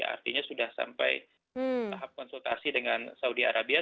artinya sudah sampai tahap konsultasi dengan saudi arabia